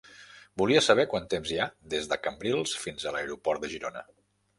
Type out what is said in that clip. Volia saber quant temps hi ha des de Cambrils fins a l'aeroport de Girona.